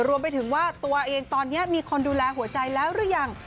รวมไปถึงว่าตัวเองตอนนี้มีคนดูแลหัวใจแล้วหรือยัง